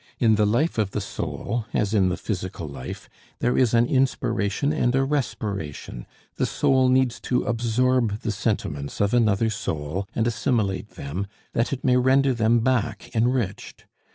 In the life of the soul, as in the physical life, there is an inspiration and a respiration; the soul needs to absorb the sentiments of another soul and assimilate them, that it may render them back enriched.